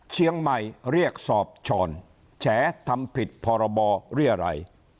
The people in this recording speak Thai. เชียงใหม่เรียกสอบชอนแฉทำผิดพรบเรียรัย